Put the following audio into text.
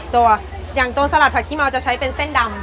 ตัวอย่างตัวสลัดผักขี้เมาจะใช้เป็นเส้นดำ